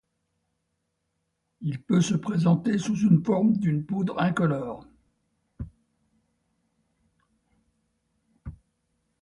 Il peut se présenter sous forme d'une poudre incolore.